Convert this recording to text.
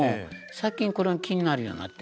最近これが気になるようになって。